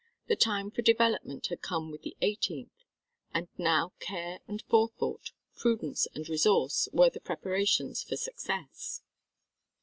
The time for development had come with the eighteenth; and now care and forethought, prudence and resource, were the preparations for success.